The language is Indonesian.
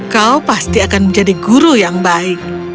kau pasti akan menjadi guru yang baik